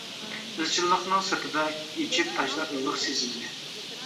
ئىزچىللىقنىڭ سىرتىدا ئېچىپ تاشلار ئىللىق سېزىمنى.